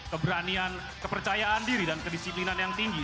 keberanian kepercayaan diri dan kedisiplinan yang tinggi